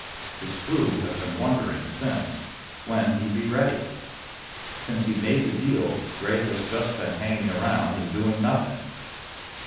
His crew have been wondering, since, when he'd be ready. Since he made the deal, Gray has just been hanging around and doing nothing."